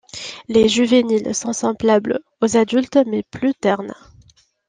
Les juvéniles sont semblables aux adultes mais plus ternes.